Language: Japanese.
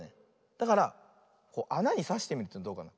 だからあなにさしてみるとどうかな。